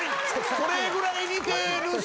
それぐらい似てるし。